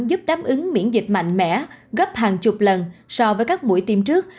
giúp đáp ứng miễn dịch mạnh mẽ gấp hàng chục lần so với các mũi tiêm trước